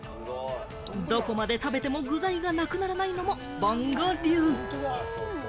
どこまで食べても具材がなくならないのも、ぼんご流。